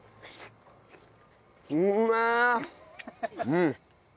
うん。